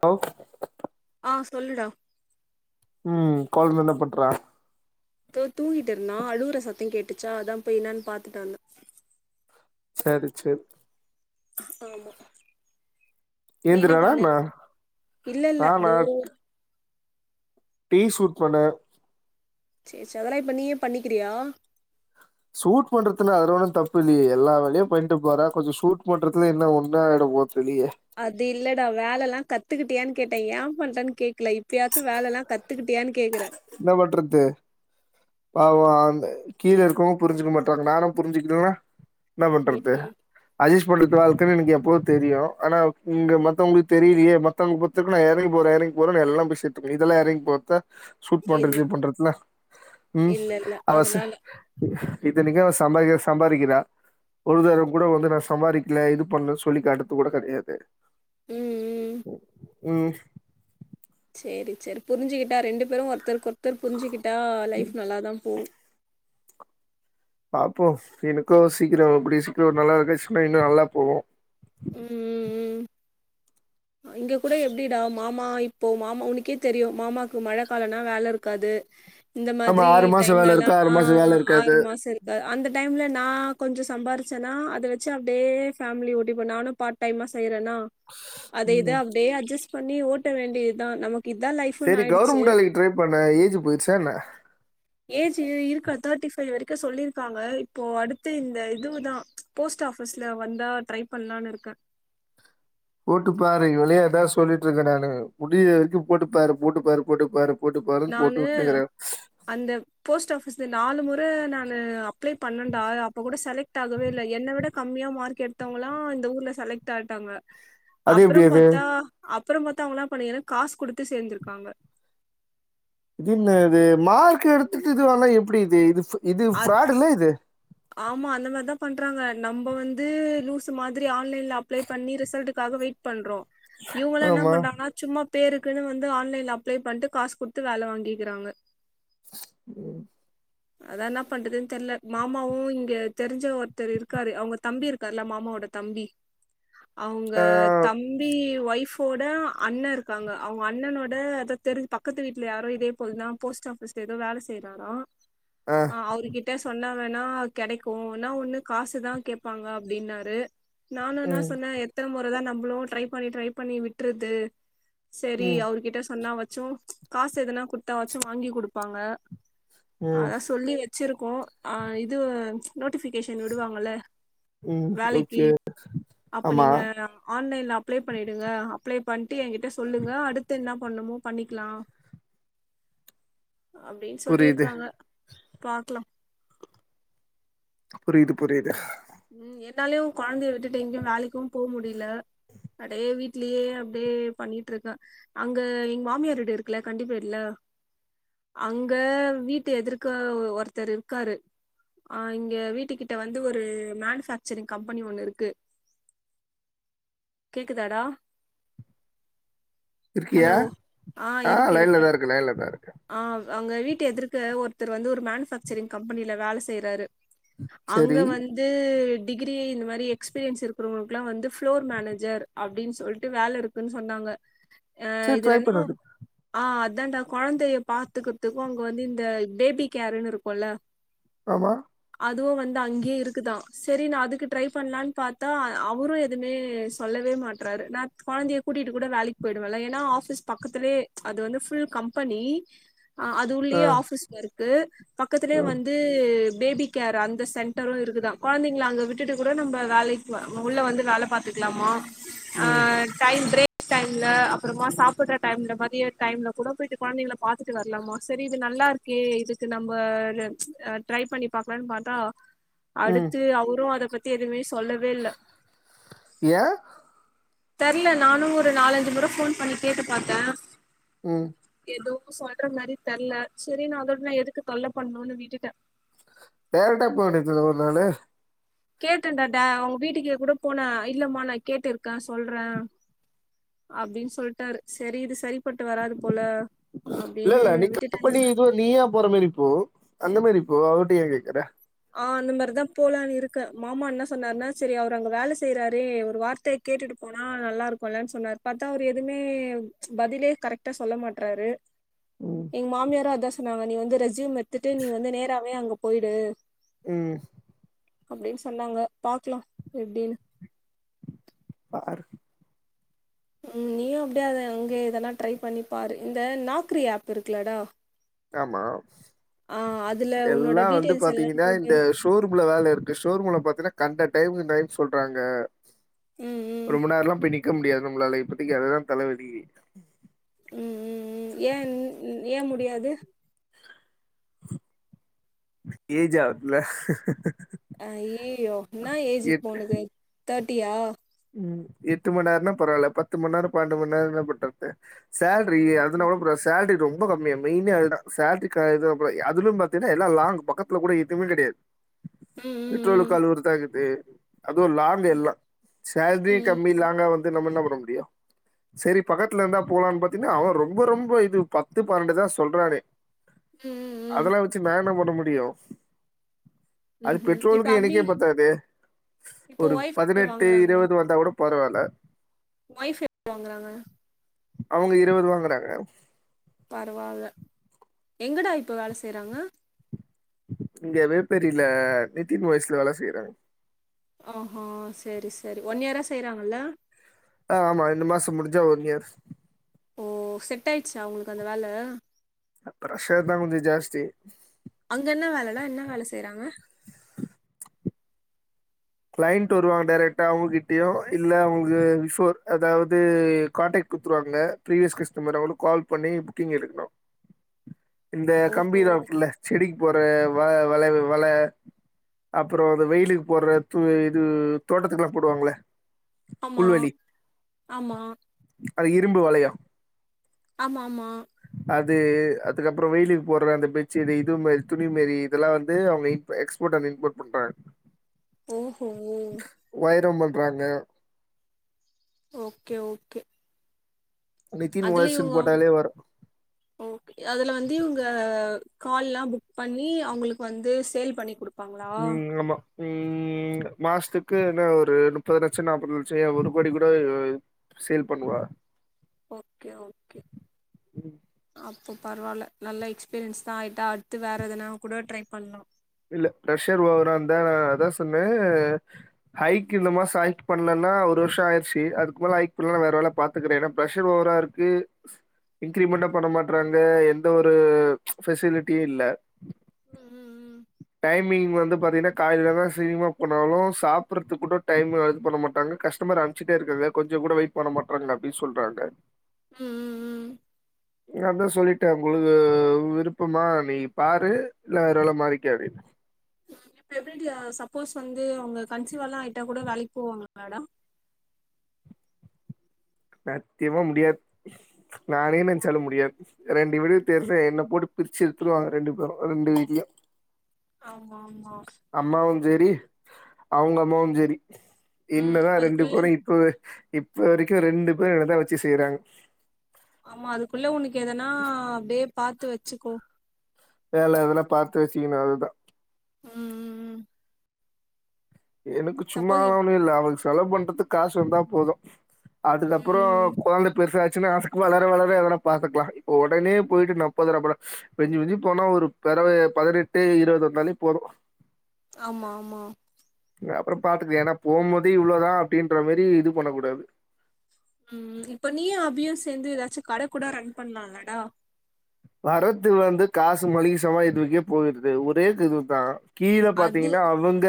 Allow ப் ஆ சொல்லுடா ம் குழ்ந்த என்ன பண்றா தோ தூங்கிட்டு இருந்தா அழுவ்ற சத்தம் கேட்டுச்சா அதா போயி இன்னான் பாத்துட்டு வந்த சரி சேரி ஆமா நீ என்ன பண்ணிர் இல்ல இல்ல நானா இதோ டீ சூட் பண்ண சேர் ச அதெல்லா இப்ப நீயே பண்ணிக்கிறியா ஷூட் பண்றதுனு அதுல ஒன்னு தப்பு இல்லியே எல்லா வேலையு பண்ணிட்டு போறா கொஞ்ச ஷூட் பண்றதுல என்ன ஒன்னு ஆகிட போர்த் திலியே அது இல்லடா வேலல்லா கத்துக்கிட்டியான்னு கேட்டே ஏ பண்ரண் கேக்கல இப்பயாச்சு வேலலா கத் துக்கிட்யான் கேக்குறே இன்ன பன்றது பாவோ அந்த கீழ இருக்கவுங்க புரிஞ்சுக்க மாட்றாங்க நானு புரிஞ்சுக்கலேனா என்னா பண்றது ம் அஜஸ்ட் பண்றது வாழ்க்கன்னு எனக்கு எப்பவோ தெரியு ஆனா இங்க மத்தவுங்களுக் தெரீலயே மத்தவங்க பொருத்த வரைக்கு நா எறங்கி போறே எறங்கி போறன்னு எல்லா பேசிட்டு இருங்குங்க இதல்லா எறங்கி போறத்தா ஷூட் இல் பண்றது இது பண்றதுலா ம் இல்ல இல்ல அவச அதனால இத்தனைக்கு அவ சம்பாரிக்க சம்பாரிக்கிறா ஒரு தடவ கூட வந்து நா சம்பாரிக்கல இது பண்ணலன் சொல்லிக் காட்றது கூட கெடையாது ம் ம் ம் சேரி சேரி புருஞ்சுக்கிட்டா ரெண்டு பேரு ஒருத்தருக்கு ஒருத்தர் புருஞ்சுக்கிட்டா லைஃப் நல்லா தா போகு பாப்போ எனக்கு சீக்கிரோ கூடிய சீக்கிரோ ஒரு நல்லா கெடஸ்சுனா இன்னு நல்லா போவு ம் ம் ம் இங்க கூட எப்டிடா மாமா இப்போ மாமா உனக்கே தெரியு மாமாக்கு மழ காலொன்னா வேல இருக்காது. இந்த ஆமா மாதிரி மாசம் வேல டைம்லல்லா இருக்கும், ஆ மாசம் வேல இருக்காது. ஆறு மாசோ இருக் அ அந்த டைம்ல நா கொஞ்சொ சம்பாரிச்சனா அத வச்சு அப்டியே ஃபேமிலி ஓட்டிபே நானு பாட் டைமா செய்யறனா அத இத ம் அப்டியே அட்ஜஸ் பண்ணி ஓட்ட வேண்டிய தா நமக் சேரி கவருமண்ட்டு வேலைக்கு ட்ரை பண்ணு ஏஜ்ஜு போயிருச்சா என்ன ஏஜ்ஜு இருக்கா தேர்ட்டி ஃபைவ் வரைக்கு சொல்லிருக்காங்க இப்போ அடுத்து இந்த இதுதா போஸ்ட் ஆஃபிஸ்ல வந்தா ட்ரை பண்லான் இருக்கே போட்டு பாரு இவளயே அதா சொல்லிட்ருக்கே நானு முடிய்ர வரைக்கு போட்டு பாரு போட்டு பாரு போட்டு பாரு போட்டு பாருன்னு நானு போட்டு விட்டுனுருக்கிறேன். அந்த போஸ்ட் ஆஃபிஸ்லா நாலு மொற நானு அப் அப்ளே பண்ணண்டா அப்ப கூட செலக்ட் ஆகவே இல்ல என்ன விட கம்மியா மார்க் எடுத்தவுங்கலா இந்த ஊர்ல செலக்ட் ஆய்ட்டாங்க அது அப்பறோ எப்டி அது? பாத்தா அப்பறோ பாத்தா அவுங்கல்லா எனா பண்ணீ ஏனா காசு குடுத்து சேந்திருக்காங்க. இதின்னாது மார்க்கு எடுத்துட்டு இது ஆனா எப்டி இது இது இது அது பிராடுல்ல இது ஆமா அந்த மாரிதா பண்றாங்க நம்ம வந்து லூசு மாதிரி ஆன்லைன்ல அப்ளே பண்ணி ரிசல்டுக்காக வெயிட் பண்றோ இவுங்கல்லா என்னா ஆமா. பண்றாங்கனா சும்மா பேருக்குனு வந்து ஆன்லைன்ல அப்ளே பண்ட்டு காசு குடுத்து வேல வாங்கிக்கிறாங்க. ம் அதா என்னா பண்றதுன் தெர்ல மாமாவு இங்க தெருஞ்ச ஒருத்தர் இருக்காரு அவுங்க தம்பி இருக்காருல்ல மாமாவோட தம்பி அவுங்க ஆ, தம்பி ஒய்ஃப் போட அண்ணே இருக்காங்க அவுங்க அண்ணெனோட அதா தெரு பக்கத்து வீட்ல யாரோ இதே போல் தா போஸ்ட் ஆஃபிஸ்ல எதோ வேல செய்றாரா ஆ. அவருகிட்ட சொன்ன வேணா கெடைக்கு என்னா ஒண்ணு காசுதா கேப்பாங்க அப்டின்னாரு நானு என்னா ம். சொன்னே எத்தன மொறதா நம்பளு ட்ரை பண்ணி ட்ரை பண்ணி விட்ரது செரி ம். அவருகிட்ட சொன்னா வாச்சு காசு எதுனா குடுத்தா வாச்சு வாங்கி குடுப்பாங்க ம். அதா சொல்லி வச்சுருக்கோ ஆ இது நோட்டிஃபிகேஷன் விடுவாங்கல ம். வேலைக்கி ஓகே. அப்ப ஆமா நீங்க ஆன்லைன்ல அப் அப்ளே பண்ணிடுங்க அப்ளே பண்ட்டு எகிட்ட சொல்லுங்க அடுத்து என்ன பண்ணமோ பண்ணிக்கலா அப்டின் புரியுது சொல்லிருக்காங்க பாக்கலா புரீது புரீது ம் என்னாலயு கொழந்தய விட்டுட்டு எங்கயு வேலைக்கு போக முடில அப்டியே வீட்லயே அப்டியே பண்ணிட்ருக்கே அங்க எங்க மாமியார் வீடு இருக்குல கண்டிபேடுல அங்க வீட்டு எதிர்க்க ஒருத்தர் இருக்காரு ஆ இங்க வீட்டு கிட்ட வந்து ஒரு மேனுஃபேக்சரிங் கம்பெனி ஒண்ணு இருக்கு கேக்குதாடா இருக்கியா ஹலோ ஆ இருக்க இருக்க லைன்ல தான் இருக்கு லைன்ல தான் இருக்கு ஆ அங்க வீட்ட எதிர்க்க ஒருத்தர் வந்து ஒரு மேனுஃபேக்சரிங் கம்பெனியில வேல செய்யறாரு அங்க சரி வந்து டிகிரி இந்த மாதிரி எக்ஸ்பீரியன்ஸ் இருக்குறவுங்களுக்குல்லாம் வந்து ஃப்ளோர் மேனேஜர் அப்படின் சொல்ட்டு வேல இருக்குன்னு சொன்னாங்க அ சரி ட்ரை இதுலயும் பண்ணு ஆ அதான்டா கொழந்தைய பாத்துக்கிறதுக்கும் அங்க வந்து இந்த பேபி கேர்ன்னு இருக்கும்ல்ல ஆமா அதுவும் வந்து அங்கே இரு க்குதா சரி நா அதுக்கு ட்ரை பண்ணலான் பாத்தா அவரும் எதுவுமே சொல்லவே மாட்றாரு நா கொழந்தைய கூட்டிட்டு கூட வேலைக்கு போயிடுவல ஏன்னா ஆஃபீஸ் பக்கத்துலயே அது வந்து ஃபுல் கம்பெனி ஆ அது ஆ உள்ளேயே ஆஃபிஸ் ஒர்க்கு பக்கத்துலயே வந்து ம், வந்து பேபி கேர் அந்த சென்டரும் இருக் க்குதா கொழந்தைங்கள அங்க விட்டுட்டு கூட நம்ம வேலைக்கு உள்ள வந்து வேல பாத்துக்கலாமா ஆ ம் டைம் ப்ரேக் டைம்ல அப்புறமா சாப்பிடுற டைம்ல மதிய டைம்ல கூட போயிட்டு கொழந்தைளை பா த்துட்டு வரலாமா சரி இது நல்லா இருக்கே இதுக்கு நம்ம ட்ரை பண்ணி பாக்கலானு பாத்தா ம் அடுத்து அவரும் அத பத்தி எதுவுமே சொல்லவே இல்ல ஏன் தெர்ல நானும் ஒரு நாலஞ்சு முறை ஃபோன் பண்ணி கேட்டு பாத்தேன் உம் ஏதுவும் சொல்ற மாரி தெர்ல சரி நா அதோட நா எதுக்கு தொல்ல பண்ணணும்ன்னு விட்டுட டேரக்ட்டா போ வேண்டியது தான கேட்டேன்டாடா அவுங்க வீட்டுக்கு கூட போன இல்லமா நா கேட்டிருக்கேன் சொல்றேன் அப்டின்னு சொல்லிட்டாரு சரி இது சரிப்பட்டு வராது போல அப்டின்னு விட்டுட்டேன் நீயாபோற மாரி போ அந்த மாரி போ அவர்ட்ட ஏன் கேக்குற ஆ அந்த மாரிதா போலான் இருக்கேன் மாமா என்ன சொன்னாருன்னா சரி அவரு அங்க வேல செய்யறாரு ஒரு வார்த்தை கேட்டுட்டு போனா நல்லா இருக்கும்ல்ல சொன்னாரு பாத்தா அவரு எதுவுமே பதிலே கரெக்ட்டா சொல்ல மாட்றாரு ம் எங்க மாமியாரும் அதான் சொன்னாங்க நீ வந்து ரெஸ்யூம் எடுத்துட்டு நீ வந்து நேராவே அங்க போயிடு உம் அப்டின்னு சொன்னாங்க பாக்கலாம் எப்டின்னு பாரு ம் நீயும் அப்படியே அத அங்கே எதனா ட்ரை பண்ணி பாரு இந்த நாக்ரி ஆப் இருக்குலடா ஆமா ஆ அதுல உன்னோட எல்லாம் வந்து டீட்டெயில்ஸ் எல்லாம் பாத்தீங்கன்னா போட்டு இந்த ஷோரூம்ல வேல இருக்கு ஷோரூம்ல பாத்தீன்னா கண்ட டைம்ன்னு டைம் சொல்றாங்க உம் ரொம்ப நேரம் எல்லாம் போய் நிக்க முடியாது நம்மளால இப்பத்திக்கு அததா தலை விதி உம் உம் உம் ஏன் ஏன் முடியாது ஏஞ்ஜால் அய்யயோ என்னா ஏஜ் இப்போ உனக்கு தேர்ட்டியா உம் எட்டு மணி நேரம்னா பரவால பத்து மணி நேரம் பன்னெண்டு மணிரேம்னா என்ன பண்றது சேலரி அதுனா கூட பரவால்ல சேலரி ரொம்ப கம்மி மெயின்னே அதுதான் சேலரி அதுலயு பாத்தீங்கன்னா எல்லா லாங் பக்கத்துல கூட எதுவுமே கிடையாது பெட்ரோல்க்கு ம் கால் உரது ஆகாது [unintelligible] அதுவும் லாங் எல்லாம் சேல்ரி ம் ம் கம்மி ம் லாங்கா வந்து நம்ம என்ன பண்ண முடியும் செரி பக்கத்துல இருந்தா போலான் பாத்தீனா அவன் ரொம்ப ரொம்போ இது பத்து பணண்டுதா சொல்றாரே ம் ம் ச்சு நான் என்ன பண்ண முடியு அது ம்ஹும் இப்ப பெட்ரோலுக்கு அபி எனக்கே பத்தாதே இப்போ ஒரு ஒய்ஃப் பதினெட் வாங்குறாங்க வந்தா கூட பரவால்ல உங் ஒய்ஃப் எ [inaudible] வாங்குறாங்க அவுங்க இருவது வாங்குறாங்க பரவால்ல எங்கடா இப்ப வேல செய்றாங்க இங்க வேப்பேரில நிதின் ஒய்ஸ்ல வேல செய்றாங்க ஆ ஹா சேரி சேரி ஒன் இயரா செய்யறாங்கல்ல ஆ ஆமா ரெண்டு மாசோ முடிஞ்சா ஒன்யர் ஓ செட் ஆய்ச்சா அவுங்ளுக்கு அந்த வேல அ பிரஷர்தா கொஞ்சோ ஜாஸ்தி அங்க என்ன வேலைனா என்ன வேல செய்றாங்க கிளையண்ட் வருவாங்க டேரக்ட்டா அவுங்ககிட்டுயு இல்ல அவுங்க விஃபோர் அதாவது கான்டக்ட் குட்த்ருவாங்க பீரிவியஸ் கஸ்டமர் அவுங்குளுக் கால் பண்ணி புக்கிங் எடுக்குணு [inaudible] இந்த ஓஹோ கம்பீராகுல்ல செடிக்கு போற வா வளைவு வல அப்புறோ அந்த வெயிலுக்கு போட்ற தூ இது தோட்டத்துக்குலா போடுவாங்ள ஆமா ஆமா அத இரும்பு வளையோ ஆமாம்மா அதூ அதுக்கப்புறோ வெயிலுக்கு போட்ற அந்த பெட்சீடு இதுவு மாரி துணி மாரி இதெல்லா வந்து அவுங்க இன் எக்ஸ்போட் அண்ட் இம்போட் பண்றாங் ஓஹோ வைரு பண்றாங்க ஓகே ஓகே நிதின் அதுல ஒயர்ஸ்ன்னு இவுங்க போட்டாலே வரு ஓகே அதுல வந்து இவ்ங்க கால்லா புக் பண்ணி அவுங்ளுக் வந்து சேல் பண்ணி குடு ம் ஆமா ம் இங்க மாஸ்த்துக்கு என்ன ஒரு நுப்பது லட்சோ நாப்பது லட்சோ ஏ ஒரு கோடி கூட சேல் பண்ணுவா ஓகே ஓகே ம், அப்போ பரவால்ல நல்ல எக்ஸ்பீரியன்ஸ்தா ஆய்ட்டா அடுத்து வேற எதுனா கூட ட்ரை பண்லா இல்ல பிரஷர் ஓவரா இர்ந்தா நா அதா சொன்னே ஹைக் இந்த மாசோ ஹைக் பண்லனா ஒரு வர்ஷோ ஆய்ர்ச்சி அதுக்குமேல ஹைக் பண்லனா வேற வேல பாத்துக்குறே ஏனா பிரஷர் ஓவரா இரு க்கு இன்கிரிமெண்டு பண்ண மாட்றாங்க எந்த ஒரு ஃபெசிலிட்டியு இல்ல ம் ம் ம் டைமிங் வந்து பாத்தீங்னா காலேலலா சீக்கிர்மா போனாலு சாப்புறதுக் கூட டைமு அது பண்ண மாட்டாங்க கஸ்டமர் அன் சுட்டே இருக்காங்க கொஞ்சோ கூட வெய்ட் பண்ண மாட்றாங்க அப்டி சொல்றாங்க ம் ம் ம் ம் அதா சொல்லிட்டே உங்குளுக்கு விருப்பமா நீ பாரு இல்ல வேற வேல மாறிக்க அப்டினு பிரக்னன்டியா சப்போஸ் வந்து அவ்ங்க கன்சிவாலா ஆய்ட்டா கூட வேலைக் போவாங்ளா மேடம் சத்தியமா முடியாது நானே நென்ச்சாலு முடியா ரெண்டு பேருகோ தெரிச என்ன போட்டு பிரிச்சு எடுத்துடுவாங்க ரெண்டு பேரு ரெண்டு வீ்ட்லயு ஆமா ஆமா அம்மாவும் செரி அவுங்க அம்மாவும் செரி ம் என்னதா ரெண்டு அதுக்குள்ள பேரு இப்போவே இப்ப வரைக்கு ரெண்டு பேரு என்னதா வெச்சு செய்றாங்க ஆமா அதுக்குள்ள உனக்கு எதனா அப்டியே பாத்து வெச்சிக்கோ வேல எதனா பாத்து வெச்சிக்கணு அவள்தா ம் எனக்கு சப்போஸ் இப் சும்மாவானு இல்ல அவளுக் செலவு பண்றதுக்கு காசு வந்தா போது அதுக்கப்றோ ம் கொழந்தப் பெருசாச்சுன்னா ஆதுக் வளர வளர எதனா பாத்துக்லா இப்ப ஒடனே போயிட்டு நாப்பதாயிருபால மிஞ்சி மிஞ்சி போனா ஒரு போடவைய பதினெட்டு இருவது வந்தாலே போது ஆமா ஆமா அப்றோ பாத்துக்லா ஏன்னா போகம்போத இவ்ளோதா அப்டின்ற மாரி இது பண்ணக் கூடாது ம் இப்ப நீயு அபியு சேந்து ஏதாச்சும் கட கூட ரன் பண்ணலாம்லடா வரத்து வந்து காசு மலிக சாமா இதுவுக்கே போயிடுது ஒரே இதுக் தா கீழ அது பாத்தீங்கன்னா அவுங் எங்க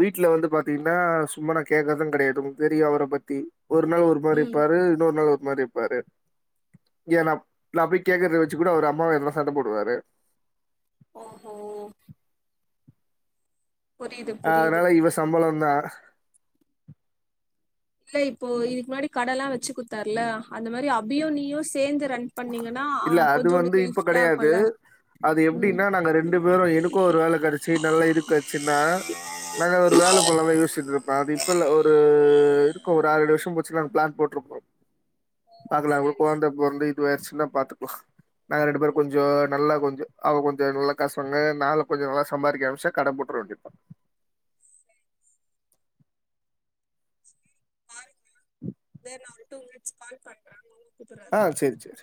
வீட்ல வந்து பாத்தீங்கன்னா சும்மா நா கேக்கறது கெடையாது தெரியு அவர பத்தி ஒரு நாள் ஒரு மாரி ம் இருப்பாரு இன்னொரு நாள் ஒரு மாரி இருப்பாரு ஏ நா நா போய் கேக்குற வெச் வெச்சி கூடோ அவரு அம்மாவ எதனா சண்ட போடுவாரு ஓ ஓ புரியுது புரியுது அதனால இவ சம்பளம்தா இல்ல இப்போ இதுக்கு முன்னாடி கடல்லா வெச்சு குத்தாறுல அந்த மாரி அபியு நீயு சேந்து ரன் பண்ணீங்கன்னா இல்ல அது கொஞ்சோ ஆ வந்து உனக்கு இப்ப ஹெல்ப்ஃபுல்லா கெடையாது. இருக்கும்ல அது எப்டின்னா நாங்க ரெண்டு பேரு எனக்கு ஒரு வேல கடச்சி நல்லா இருக்காச்சுன்னா நாங்க ஒர் வேல போலதா யோசிட்ருப்பே அது இப்பல்லா ஒரு இருக்கோ ஒரு ஆரேழு வருஷ போச்சில்லா நாங்க பிளான் போட்ருக்கோ [inaudible] பாக்கலாம் அதுக்குள்ள செரி கொழந்த செரி பொறந்து இதுவாயிடுச்சுன்னா பாத்துக்லா நாங்க ரெண்டு பேரு கொஞ்சோ நல்லா கொஞ்சோ அவ கொஞ்சோ நல்லா காசு வாங்க நாங்களு கொஞ்சோ நல்லா சம்பாதிக்க ஆரம்பிஷ்டா கடை போட் போட்ற வேண்டித் தா [inaudible] தோ இர்னா ஒரு டூ மினிட்ஸ் கால் பண்றாங்க அவுங்கோ ஆ சேரி சேரி